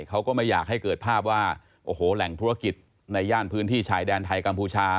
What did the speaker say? เขาก็ไม่อยากให้เกิดภาพว่าโอ้โหแหล่งธุรกิจในย่านพื้นที่ชายแดนไทยกัมพูชา